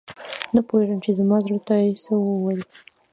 نه پوهیږم چې زما زړه ته یې څه وویل؟